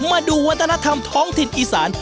มาดูวัฒนธรรมท้องถิ่นอีสาน